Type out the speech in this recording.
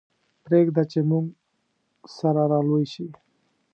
پرېږده چې موږ سره را لوی شي.